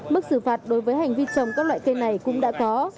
mức xử phạt đối với hành vi trồng các loại cây này cũng đã có